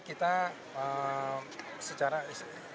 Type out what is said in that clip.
kalau secara fisik pak